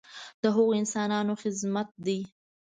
د هغو انسانانو خدمت دی.